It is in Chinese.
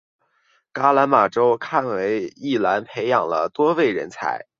噶玛兰周刊为宜兰培养了多位人才。